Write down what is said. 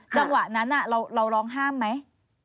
จังหวะนั้นเราร้องห้ามไหม